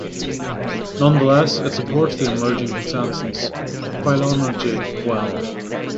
Nonetheless, it supports the emerging consensus phylogeny well.